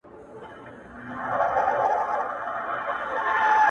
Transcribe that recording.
o چي د خرس پر دوکان اوسې، خرس ورگجن دئ، ورگ به يوسې!